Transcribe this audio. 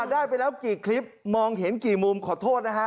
ได้ไปแล้วกี่คลิปมองเห็นกี่มุมขอโทษนะฮะ